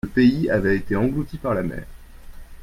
le pays avait été englouti par la mer.